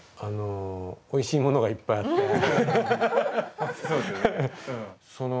あのおいしいものがいっぱいあって。